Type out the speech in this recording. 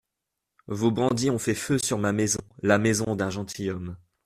Vos bandits ont fait feu sur ma maison, la maison d'un gentilhomme.